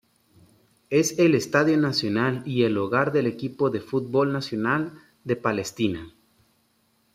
Es el estadio nacional y el hogar del equipo de fútbol nacional de Palestina.